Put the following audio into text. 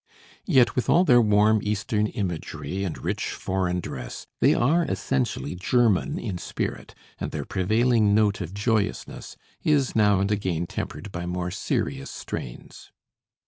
Yet with all their warm Eastern imagery and rich foreign dress they are essentially German in spirit, and their prevailing note of joyousness is now and again tempered by more serious strains.